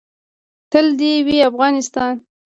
تل دې وي افغانستان